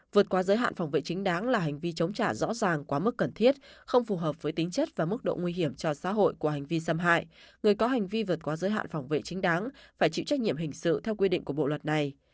vượt qua giới hạn phòng vệ chính đáng là hành vi chống trả rõ ràng quá mức cần thiết không phù hợp với tính chất và mức độ nguy hiểm cho xã hội của hành vi xâm hại người có hành vi vượt qua giới hạn phòng vệ chính đáng phải chịu trách nhiệm hình sự theo quy định của bộ luật này